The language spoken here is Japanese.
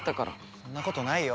そんなことないよ。